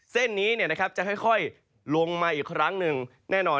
เส้นนี้นะครับจะค่อยลงมาอีกครั้งหนึ่งแน่นอนครับ